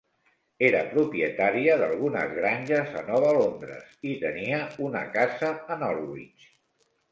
Era propietària d'algunes granges a Nova Londres i tenia una casa a Norwich.